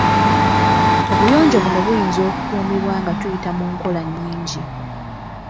Obuyonjo buno buyinza okukuumibwa nga tuyita mu nkola nnyingi.